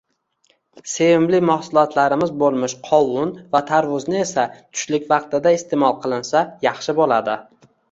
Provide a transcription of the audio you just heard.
Sevimli mahsulotlarimiz boʻlmish qovun va tarvuzni esa tushlik vaqtida isteʼmol qilinsa yaxshi boʻladi.